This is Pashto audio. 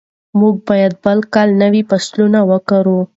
موږ به بل کال نوي فصلونه وکرو.